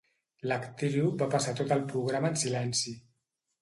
L'actriu va passar tot el programa en silenci.